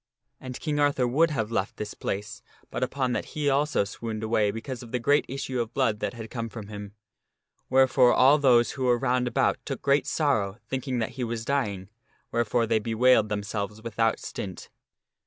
And King Arthur would have left this place but upon that he also swooned away because of the great issue of blood that had come from him, where fore all those who were round about took great sorrow, thinking that he was dying, wherefore they bewailed themselves without stint.